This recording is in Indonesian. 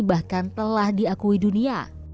bahkan telah diakui dunia